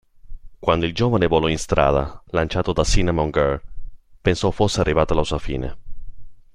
Quando il giovane volò in strada, lanciato da Cinnamon Girl, pensò fosse arrivata la sua fine.